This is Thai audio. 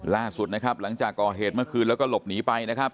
ล่าสุดนะครับหลังจากก่อเหตุเมื่อคืนแล้วก็หลบหนีไปนะครับ